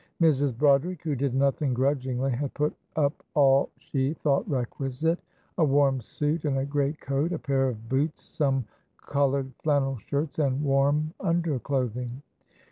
Mrs. Broderick, who did nothing grudgingly, had put up all she thought requisite a warm suit, and a great coat, a pair of boots, some coloured flannel shirts and warm underclothing.